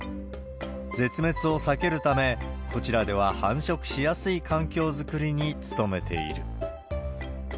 絶滅を避けるため、こちらでは繁殖しやすい環境作りに努めている。